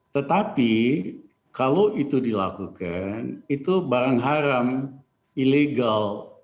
tetapi kalau itu dilakukan itu barang haram ilegal